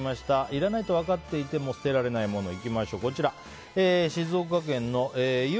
いらないと分かっていても捨てられない物、いきましょう。